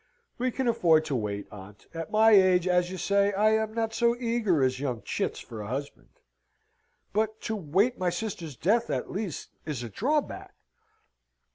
"We can afford to wait, aunt. At my age, as you say, I am not so eager as young chits for a husband." "But to wait my sister's death, at least, is a drawback?"